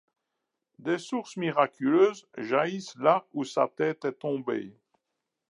Des sources miraculeuses jaillissent là où sa tête est tombée.